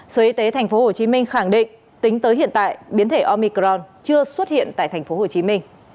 sở y tế tp hcm khẳng định tính tới hiện tại biến thể omicron chưa xuất hiện tại tp hcm